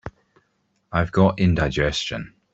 I've got indigestion.